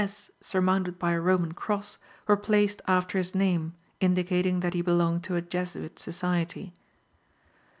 S., surmounted by a Roman cross, were placed after his name, indicating that he belonged to a Jesuit society.